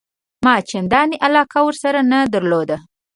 ما چنداني علاقه ورسره نه درلوده.